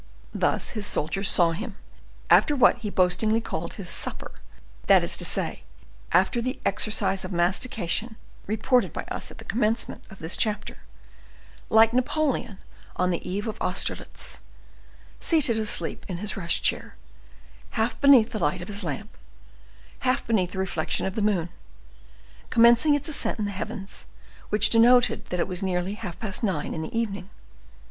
Thus his soldiers saw him, after what he boastingly called his supper—that is to say, after the exercise of mastication reported by us at the commencement of this chapter—like Napoleon on the eve of Austerlitz, seated asleep in his rush chair, half beneath the light of his lamp, half beneath the reflection of the moon, commencing its ascent in the heavens, which denoted that it was nearly half past nine in the evening.